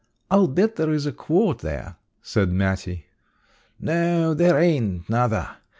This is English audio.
"I'll bet there's a quart there," said Mattie. "No, there ain't nuther.